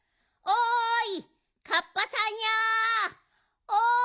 おい！